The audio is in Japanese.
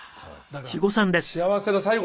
だから幸せが最後のね。